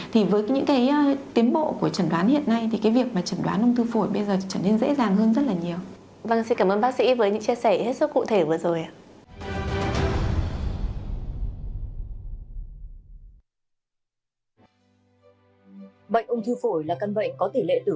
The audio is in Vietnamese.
thì với những cái tiến bộ của chẩn đoán hiện nay thì cái việc mà chẩn đoán ung thư phổi bây giờ trở nên dễ dàng hơn rất là nhiều